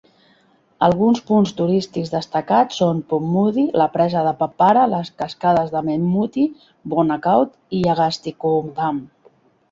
Alguns punts turístics destacats són Ponmudi, la presa de Peppara, les cascades de Meenmutty, Bonacaud i Agastyakoodam.